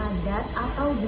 yang dijadikan sebagai ajaran